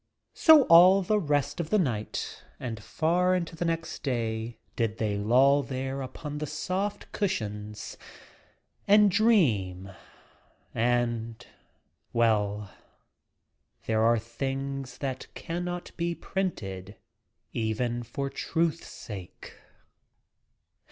So all the rest of the night and far into the next day did they loll there upon the soft cushions and dream — and — well, there are things that cannot be printed even for truth's sake.